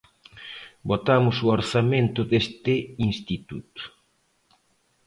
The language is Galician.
Votamos o orzamento deste instituto.